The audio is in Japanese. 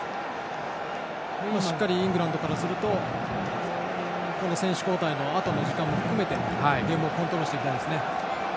しっかりイングランドからすると選手交代のあとの時間も含めてゲームをコントロールしていきたいですね。